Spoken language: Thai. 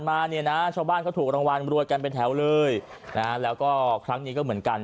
มาเนี่ยนะชาวบ้านเขาถูกรางวัลรวยกันเป็นแถวเลยนะแล้วก็ครั้งนี้ก็เหมือนกัน